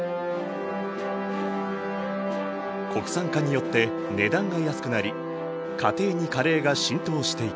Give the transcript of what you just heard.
国産化によって値段が安くなり家庭にカレーが浸透していく。